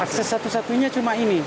akses satu satunya cuma ini